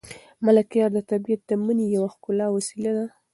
ملکیار ته طبیعت د مینې یوه ښکلې وسیله ده.